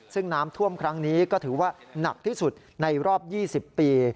ซึ่งน้ำท่วมครั้งนี้ก็ถือว่าหนักที่สุดในรอบ๒๐ปี